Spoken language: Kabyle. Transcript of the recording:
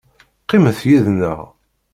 Qqimet yid-nneɣ.